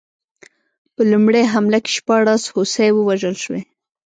په لومړۍ حمله کې شپاړس هوسۍ ووژل شوې.